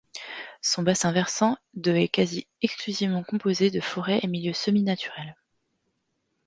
Son bassin versant de est quasi exclusivement composé de forêts et milieux semi-naturels.